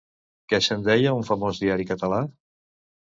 Què se'n deia un famós diari català?